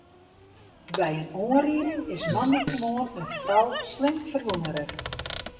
By in oanriding is moandeitemoarn in frou slim ferwûne rekke.